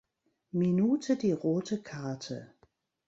Minute die Rote Karte.